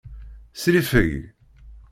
Sriffeg.